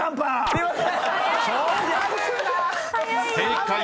すいません。